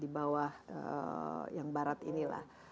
di bawah yang barat inilah